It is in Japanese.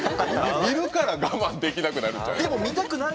見るから我慢できなくなるんじゃない？